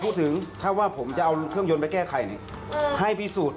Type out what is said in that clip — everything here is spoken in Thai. พูดถึงถ้าว่าผมจะเอาเครื่องยนต์ไปแก้ไขนี่ให้พิสูจน์